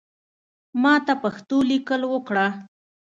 ماته پښتو لیکل اوکړه